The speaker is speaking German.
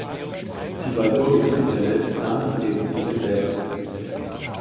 Die Walburgis-Kapelle ist namensgebend für den Berg.